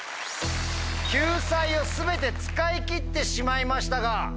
救済を全て使い切ってしまいましたが。